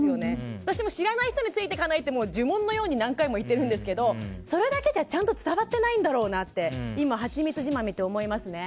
私も知らない人についていかないって呪文のように何回も言っているんですけどそれだけじゃ、ちゃんと伝わってないんだろうなって「はちみつじまん」を見て思いますね。